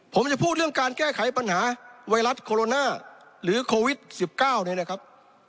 ผมจะพูดเรื่องการแก้ไขปัญหาไวรัสโคโรนาหรือโควิด๑๙เนี่ยนะครับ